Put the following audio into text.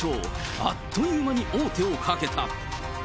あっという間に王手をかけた。